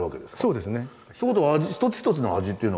そうですね。